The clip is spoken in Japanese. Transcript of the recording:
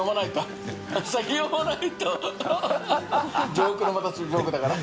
ジョークのまた次ジョークだから。